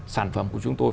sản phẩm của chúng tôi